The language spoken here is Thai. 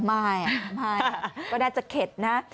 ไม่ก็ได้จะเข็ดนะ